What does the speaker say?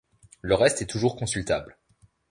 Le reste est toujours consultable.